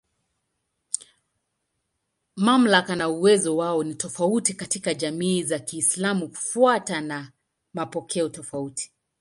Mamlaka na uwezo wao ni tofauti katika jamii za Kiislamu kufuatana na mapokeo tofauti.